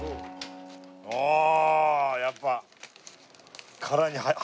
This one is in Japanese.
ああやっぱ。